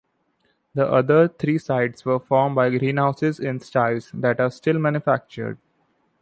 The other three sides were formed by greenhouses in styles that are still manufactured.